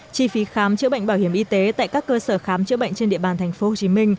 chi phí khám chữa bệnh bảo hiểm y tế tại các cơ sở khám chữa bệnh trên địa bàn tp hcm